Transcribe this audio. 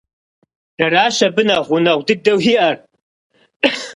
Дэращ абы нэхъ гъунэгъу дыдэу иӀэр.